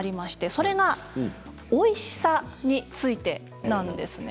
それが、おいしさについてなんです。